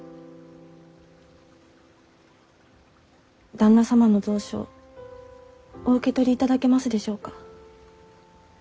旦那様の蔵書お受け取りいただけますでしょうか？